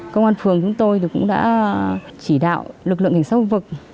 công an phường chúng tôi thì cũng đã chỉ đạo lực lượng hình sâu vực